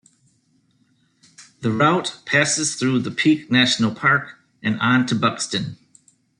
The route passes through the Peak National Park and on to Buxton.